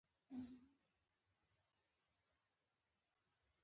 آیا یوه تېل او بل اوبه نلري؟